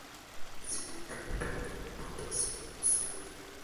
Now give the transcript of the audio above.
sina kepeken nimi pu taso anu seme?